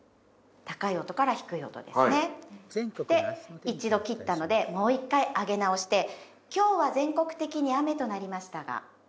高い音から低い音ですねで１度切ったのでもう一回上げ直して「今日は全国的に雨となりましたが」